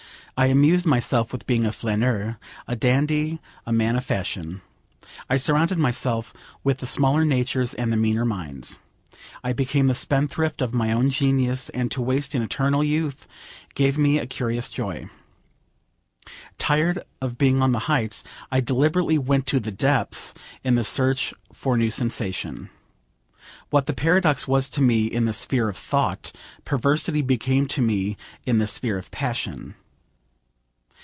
I amused myself with being a flaneur, a dandy, a man of fashion. I surrounded myself with the smaller natures and the meaner minds. I became the spendthrift of my own genius, and to waste an eternal youth gave me a curious joy. Tired of being on the heights, I deliberately went to the depths in the search for new sensation. What the paradox was to me in the sphere of thought, perversity became to me in the sphere of passion.